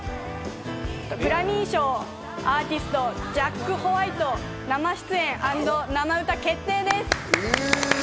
グラミー賞アーティスト、ジャック・ホワイトが生出演＆生歌決定です。